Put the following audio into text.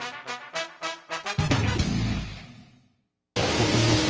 持ってみます？